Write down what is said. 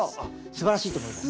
すばらしいと思います。